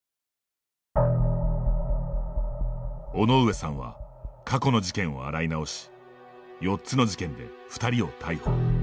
尾上さんは過去の事件を洗い直し４つの事件で２人を逮捕。